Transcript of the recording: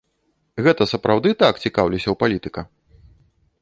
Гэта сапраўды так, цікаўлюся ў палітыка?